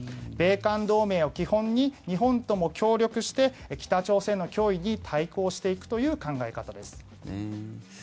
米韓同盟を基本に日本とも協力して北朝鮮の脅威に対抗していくという考え方です。